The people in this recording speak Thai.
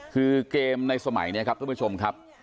คือเกมในสมัยนี้ครับท่านผู้ชมครับ